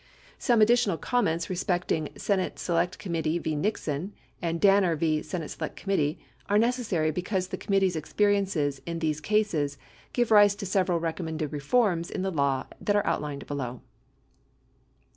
Some additional comments respecting Senate Select Committee v. Nixon and Danner v. Senate Select Committee are necessary because the committee's experiences in these cases give rise to several recom mended reforms in the law that are outlined below.